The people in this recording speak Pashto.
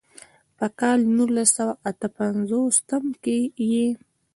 پۀ کال نولس سوه اتۀ پنځوستم کښې ئې